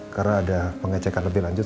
karena ada pengecekan lebih lanjut